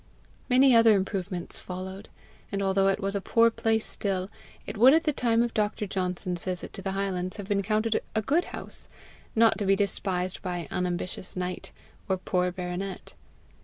Many other improvements followed; and although it was a poor place still, it would at the time of Dr. Johnson's visit to the highlands have been counted a good house, not to be despised by unambitious knight or poor baronet.